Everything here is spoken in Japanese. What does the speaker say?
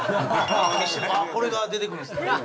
これが出てくるんですね。